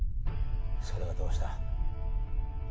それがどうした？